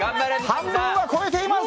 半分は超えています。